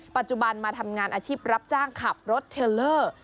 ปัจจุบันมาทำงานอาชีพรับจ้างขับรถเทลเลอร์